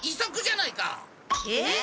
えっ？